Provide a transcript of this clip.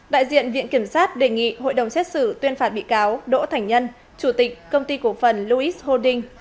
đại diện viện kiểm sát đề nghị hội đồng xét xử tuyên phạt bị cáo đỗ thành nhân chủ tịch công ty cổ phần louis holding